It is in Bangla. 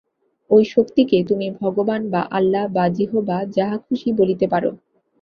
ঐ শক্তিকে তুমি ভগবান বা আল্লা বা যিহোবা যাহা খুশী বলিতে পার।